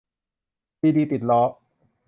ซีดีติดล้อ !